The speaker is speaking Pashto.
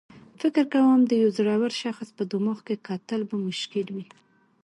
فکر کوم د یو زړور شخص په دماغ کې کتل به مشکل وي.